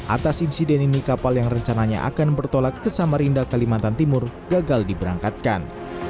atas insiden ini kapal yang rencananya akan bertolak ke samarinda kalimantan timur gagal diberangkatkan